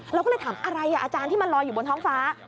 เราก็เลยถามอะไรอาจารย์ที่มันลอยอยู่บนท้องฟ้า